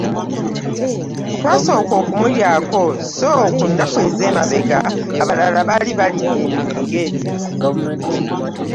Twasooka okumulyako, sso ku nnaku ez'emabega abalala baali balidde eminwe nga ebiri.